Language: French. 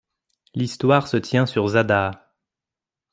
L'histoire se tient sur Zadaa.